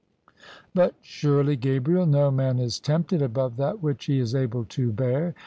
" But surely, Gabriel, no man is tempted above that which he is able to bear.